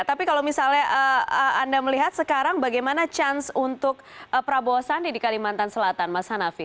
tapi kalau misalnya anda melihat sekarang bagaimana chance untuk prabowo sandi di kalimantan selatan mas hanafi